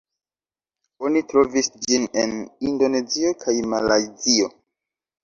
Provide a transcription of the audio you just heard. Oni trovis ĝin en Indonezio kaj Malajzio.